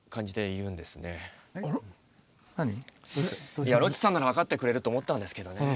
いやロッチさんなら分かってくれると思ったんですけどね。